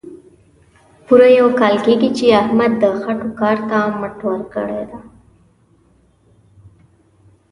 پوره یو کال کېږي، چې احمد د خټو کار ته مټ ورکړې ده.